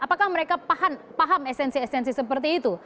apakah mereka paham esensi esensi seperti itu